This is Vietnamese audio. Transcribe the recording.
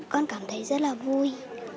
con cảm thấy rất là vui